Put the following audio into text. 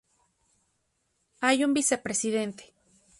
Hay un vicepresidente.